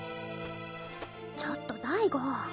ちょっと大吾。